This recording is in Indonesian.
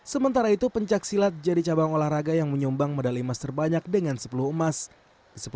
sementara itu pencaksilat jadi cabang olahraga yang menyumbang medali emas terbanyak dengan sepuluh emas